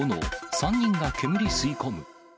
３人が煙吸い込む。